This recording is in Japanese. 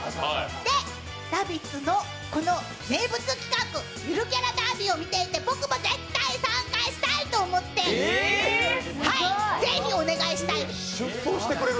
で、「ラヴィット！」のこの名物企画、ゆるキャラダービーを見ていて僕も絶対レースに参加したいと思って、ぜひお願いしたいです。